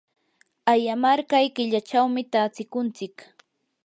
ayamarqay killachawmi tatsikuntsik.